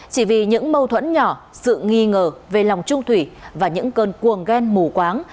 chỉ vì những mâu thuẫn nhỏ sự nghi ngờ về lòng trung thủy và những cơn cuồng ghen mù quáng